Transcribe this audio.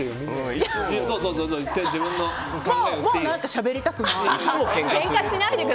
しゃべりたくない。